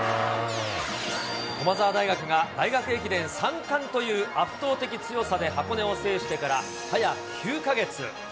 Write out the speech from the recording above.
駒澤大学が大学駅伝３冠という圧倒的強さで箱根を制してから早９か月。